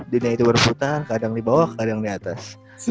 dunia itu berputar kadang di bawah kadang di atas